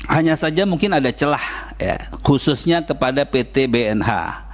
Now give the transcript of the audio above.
hanya saja mungkin ada celah khususnya kepada pt bnh